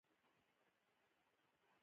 آیا په مسلمان کیدو ویاړو؟